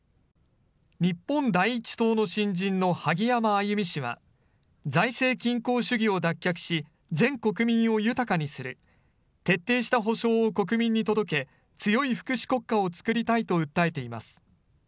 日本第一党の新人の萩山あゆみ氏は、財政均衡主義を脱却し全国民を豊かにする。徹底した保障を国民に届け強い福祉国家をつくりたいと訴えています。